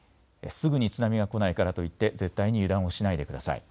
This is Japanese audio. すぐに津波が来ないからといって絶対に油断をしないでください。